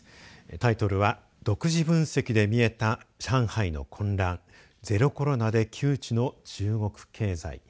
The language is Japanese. タイトルは独自分析で見えた上海の“混乱”ゼロコロナで窮地の中国経済。